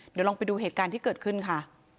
เดี๋ยวลองไปดูเหตุการณ์ที่เกิดขึ้นค่ะ